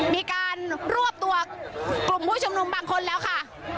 มีการรวบตัวกลุ่มผู้ชุมนุมบางคนแล้วค่ะ